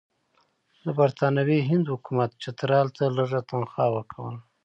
د برټانوي هند حکومت چترال ته لږه تنخوا ورکوله.